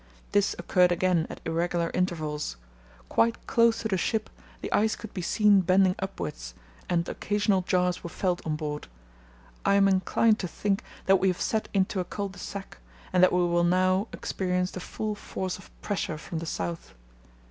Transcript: This occurred again at irregular intervals. Quite close to the ship the ice could be seen bending upwards, and occasional jars were felt on board. I am inclined to think that we have set into a cul de sac and that we will now experience the full force of pressure from the south.